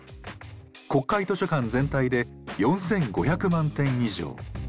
国会図書館全体で４，５００万点以上。